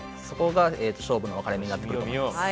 そこが勝負の分かれ目になってくると思います。